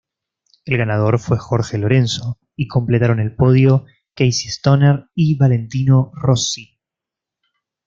El ganador fue Jorge Lorenzo y completaron el podio Casey Stoner y Valentino Rossi.